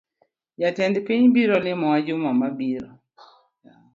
Jatend piny biro limowa juma mabiro